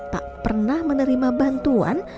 tak pernah menerima bantuan